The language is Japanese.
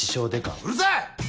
うるさい！